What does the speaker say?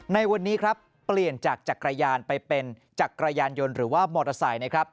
ในวันนี้ครับเปลี่ยนจากจักรยานไปเป็นจักรยานยนต์หรือว่ามอเตอร์ไซค์นะครับ